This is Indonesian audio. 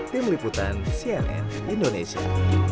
tim liputan cnn indonesia